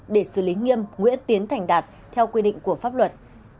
để xử lý nghiêm nguyễn tiến thành đạt theo quy định của pháp luật